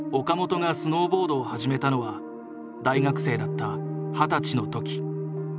岡本がスノーボードを始めたのは大学生だった二十歳の時。